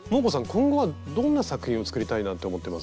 今後はどんな作品を作りたいなって思ってます？